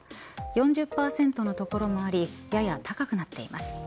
４０％の所もありやや高くなっています。